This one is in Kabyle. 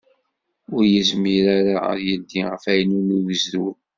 Ur yezmir ara ad d-yeldi afaylu n ugzul.